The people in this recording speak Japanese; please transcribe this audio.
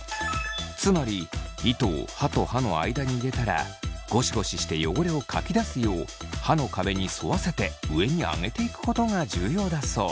つまり糸を歯と歯の間に入れたらゴシゴシして汚れをかき出すよう歯の壁に沿わせて上にあげていくことが重要だそう。